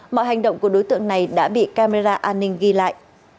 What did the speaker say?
mọi hành động của đối tượng này đã bị camera an ninh ghi lại